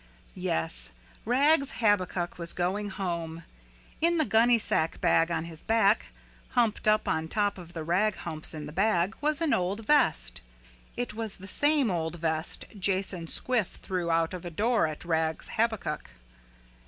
Yes, Rags Habakuk was going home. In the gunnysack bag on his back, humped up on top of the rag humps in the bag, was an old vest. It was the same old vest Jason Squiff threw out of a door at Rags Habakuk.